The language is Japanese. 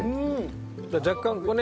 若干こうね